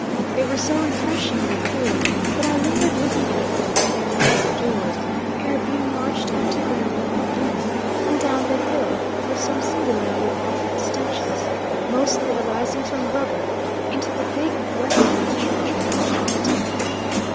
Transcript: They were so refreshingly cool that I lingered looking at them and their massive doors, ere being marched up to ground level again, and down the hill through some singularly awful stenches, mostly arising from rubber, into the big Wesleyan church in the middle of the town.